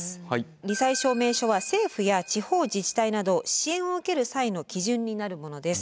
り災証明書は政府や地方自治体など支援を受ける際の基準になるものです。